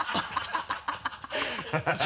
ハハハ